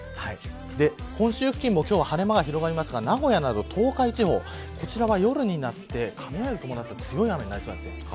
本州付近も、今日は晴れ間が広がりますが名古屋など東海地方は夜になって雷を伴った強い雨になりそうです。